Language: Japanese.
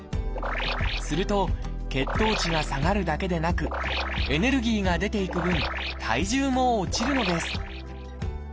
すると血糖値が下がるだけでなくエネルギーが出ていく分体重も落ちるのです。